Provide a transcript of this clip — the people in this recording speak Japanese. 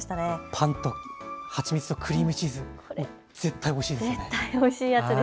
パンと蜂蜜とクリームチーズ、絶対おいしいですよね。